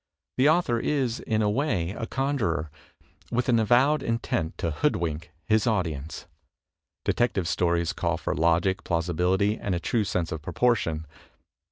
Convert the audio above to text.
The author is, in a way, a conjuror, with an avowed intent to hoodwink his audience. Detective Stories call for logic, plausibility and a true sense of proportion.